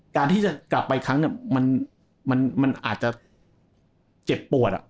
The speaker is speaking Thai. การที่จะกลับไปอีกครั้งมันอาจจะเจ็บปวด